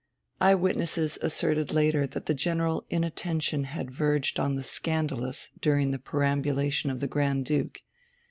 Eye witnesses asserted later that the general inattention had verged on the scandalous during the perambulation of the Grand Duke.